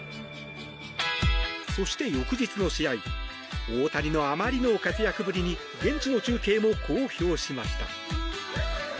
そして、翌日の試合大谷のあまりの活躍ぶりに現地の中継もこう評しました。